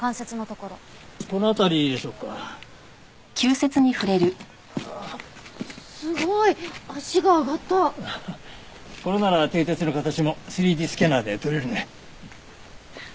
これなら蹄鉄の形も３Ｄスキャナーで撮れるね。